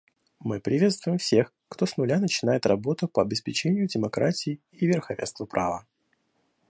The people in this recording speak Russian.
Мы приветствуем всех, кто с нуля начинает работу по обеспечению демократии и верховенства права.